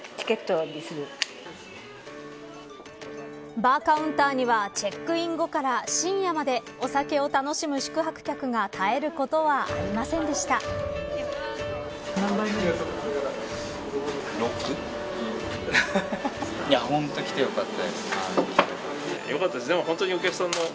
バーカウンターにはチェックイン後から深夜までお酒を楽しむ宿泊客が絶えることはありませんでした。